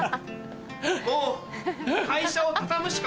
もう会社を畳むしか